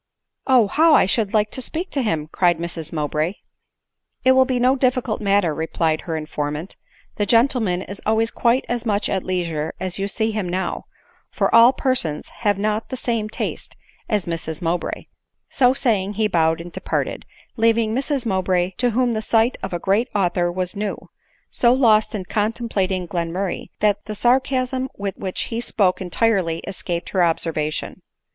" Oh ! how I should like to speak to him !" cried Mrs Mowbray. " It will be no difficult matter," replied her informant ;" the gentleman is always quite as much at leisure as you see him now ; for all persons have not the same taste as Mrs Mowbray." ADELINE MOWBRAY. 27 So saying, he bowed and departed, leaving Mrs Mow bray, to whom the sight of a great author was new, so lost in contemplating Glenmurray, that the sarcasm with which he spoke entirely escaped her observation.